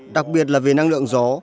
đặc biệt là về năng lượng gió